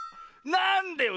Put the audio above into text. なんでよ